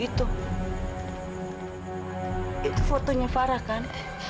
itu fotonya farah kan